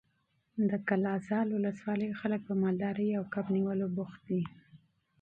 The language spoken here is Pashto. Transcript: د قلعه زال ولسوالۍ خلک په مالدارۍ او کب نیولو بوخت دي.